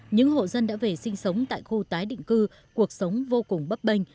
những hộ dân đã về sinh sống tại khu tái định cư cuộc sống vô cùng bấp bênh